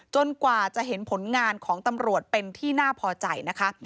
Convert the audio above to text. กว่าจะเห็นผลงานของตำรวจเป็นที่น่าพอใจนะคะ